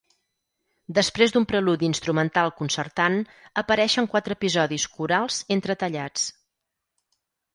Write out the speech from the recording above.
Després d'un preludi instrumental concertant, apareixen quatre episodis corals entretallats.